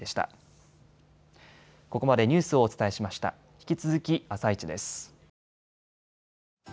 引き続き「あさイチ」です。